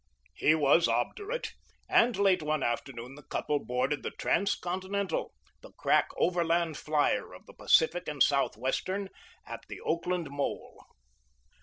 He was obdurate, and late one afternoon the couple boarded the Transcontinental (the crack Overland Flyer of the Pacific and Southwestern) at the Oakland mole.